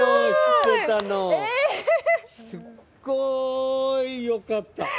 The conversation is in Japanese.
すっごーいよかった。